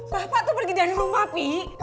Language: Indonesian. bapak tuh pergi dari rumah pi